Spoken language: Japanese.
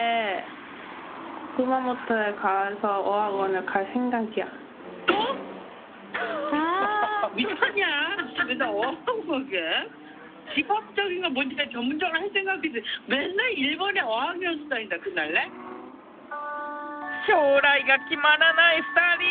将来が決まらない２人！